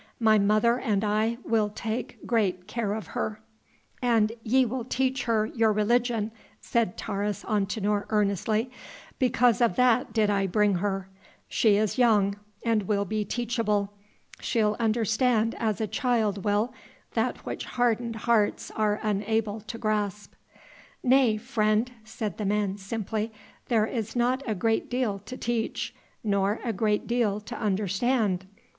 My mother and I will take great care of her." "And ye will teach her your religion," said Taurus Antinor earnestly; "because of that did I bring her. She is young and will be teachable. She'll understand as a child will, that which hardened hearts are unable to grasp." "Nay, friend," said the man simply, "there is not a great deal to teach, nor a great deal to understand.